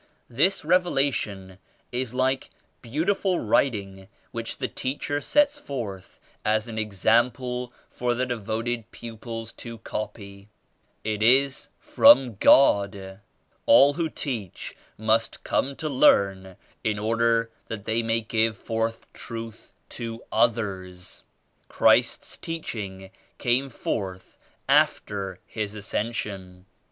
This Revela tion is like beautiful writing which the teacher sets forth as an example for ^e devoted pupils to copy. It is from God. AIL who teach must come to learn in order that they may give forth Truth to others. Christ's Teachings came forth after His Ascension.